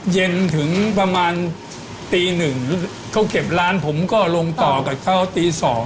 เย็นถึงประมาณตีหนึ่งเขาเก็บร้านผมก็ลงต่อกับเขาตี๒